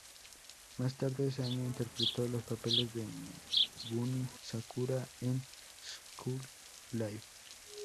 Más tarde ese año, interpretó los papeles de Megumi Sakura en "School-Live!